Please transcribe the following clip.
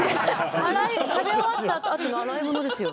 食べ終わったあとの洗い物ですよ。